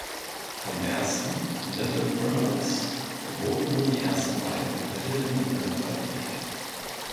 Vom ersten, "Little Criminals", wurden nur die ersten beiden Kapitel im Internet veröffentlicht.